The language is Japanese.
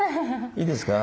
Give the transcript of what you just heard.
いいですか？